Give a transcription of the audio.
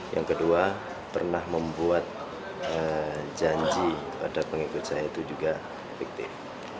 yang kedua pernah membuat janji pada pengikut saya itu juga fiktif